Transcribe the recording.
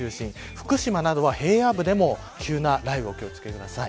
福島などは平野部でも急な雷雨にお気を付けください。